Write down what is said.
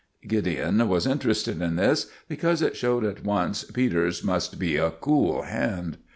"] Gideon was interested at this, because it showed at once Peters must be a cool hand.